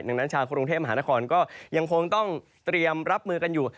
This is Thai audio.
ดังนั้นชาวกรุงเทพมหานครก็ยังคงต้องเตรียมรับมือกันอยู่